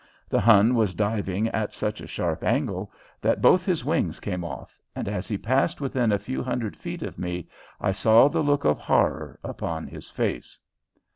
The Hun was diving at such a sharp angle that both his wings came off, and as he passed within a few hundred feet of me I saw the look of horror upon his face.